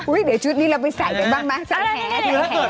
อุ๊ยเดี๋ยวชุดนี้เราไปใส่ได้บ้างมั้ยใส่แขน